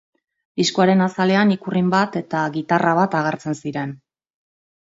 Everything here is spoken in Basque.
Diskoaren azalean ikurrin bat eta gitarra bat agertzen ziren.